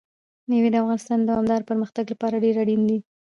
مېوې د افغانستان د دوامداره پرمختګ لپاره ډېر اړین دي.